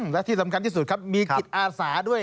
และที่สำคัญที่สุดครับมีจิตอาสาด้วย